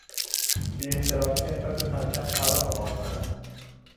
بیاحترامی نسبت به پرچم خلاف قانون است.